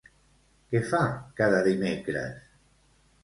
Què fa cada dimecres?